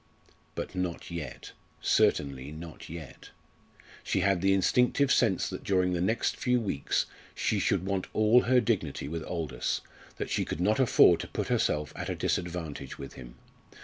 But not yet certainly not yet. She had the instinctive sense that during the next few weeks she should want all her dignity with Aldous, that she could not afford to put herself at a disadvantage with him.